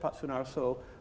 pak sunarso sebutkan